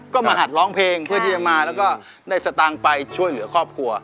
ก็มาหัดร้องเพลงเพื่อที่จะมาแล้วก็ได้สตางค์ไปช่วยเหลือครอบครัว